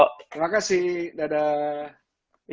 terima kasih dadah